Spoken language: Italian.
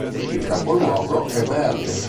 Il capoluogo è Berg.